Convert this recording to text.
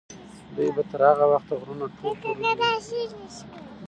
دوی به تر هغه وخته غرونه ټول پلورلي وي.